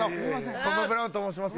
トム・ブラウンと申します。